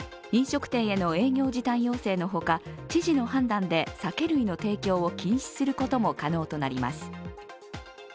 飲食店への営業時短要請のほか、知事の判断で酒類の提供を禁止することも可能となります。